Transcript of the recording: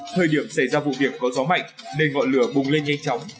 thời điểm xảy ra vụ việc có gió mạnh nên ngọn lửa bùng lên nhanh chóng